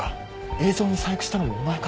映像に細工したのもお前か？